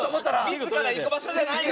自ら行く場所じゃないよ